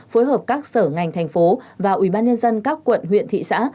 phối hợp các sở ngành tp và ubnd các quận huyện thị xã